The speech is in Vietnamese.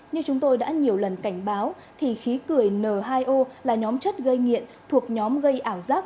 như chúng tôi đã nhiều lần cảnh báo thì khí cười n hai o là nhóm chất gây nghiện thuộc nhóm gây ảo giác